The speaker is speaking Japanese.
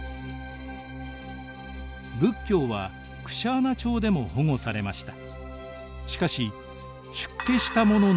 仏教はクシャーナ朝でも保護されました。